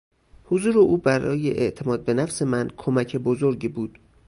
حضور او برای اعتماد به نفس من کمک بزرگی بود.